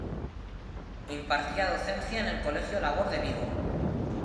Impartía docencia en el colegio Labor de Vigo.